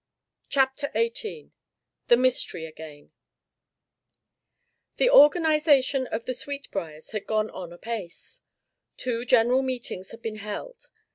CHAPTER XVIII THE MYSTERY AGAIN The organization of the Sweetbriars had gone on apace. Two general meetings had been held.